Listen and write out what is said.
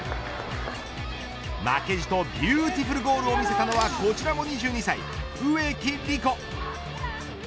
負けじとビューティフルゴールを見せたのはこちらも２２歳、植木理子。